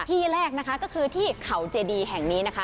ที่แรกนะคะก็คือที่เขาเจดีแห่งนี้นะคะ